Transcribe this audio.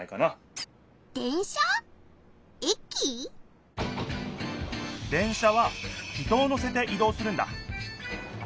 電車は人を乗せていどうするんだ。